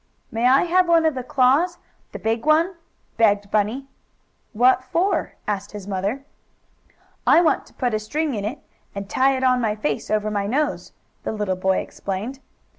"May I have one of the claws the big one?" begged Bunny. "What for?" asked his mother. "I want to put a string in it and tie it on my face, over my own nose," the little boy explained.